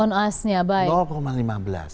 on us nya baik